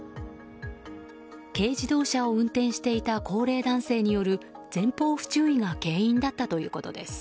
軽自動車を運転していた高齢男性による前方不注意が原因だったということです。